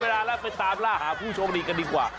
เวลาแล้วไปตามล่าหาผู้โชคดีกันดีกว่า